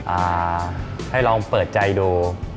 อ่าให้ลองเปิดใจดู